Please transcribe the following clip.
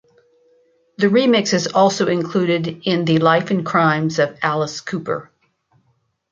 The remix is also included in "The Life and Crimes of Alice Cooper".